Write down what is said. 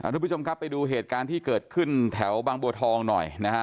ทุกผู้ชมครับไปดูเหตุการณ์ที่เกิดขึ้นแถวบางบัวทองหน่อยนะฮะ